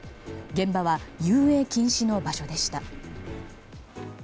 現場は遊泳禁止の場所でした。